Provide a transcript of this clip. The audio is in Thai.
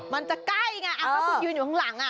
มันจะใกล้ไงถ้าคุณยืนอยู่ข้างหลัง